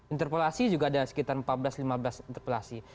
interpolasi juga ada sekitar empat belas lima belas interpolasi